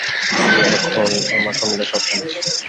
তুই এখন আমার সম্বন্ধে সব জানিস।